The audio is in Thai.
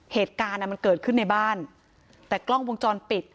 เหตุการณ์อ่ะมันเกิดขึ้นในบ้านแต่กล้องวงจรปิด